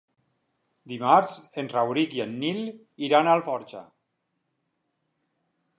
Dimarts en Rauric i en Nil iran a Alforja.